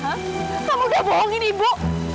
kamu udah bohongin ibu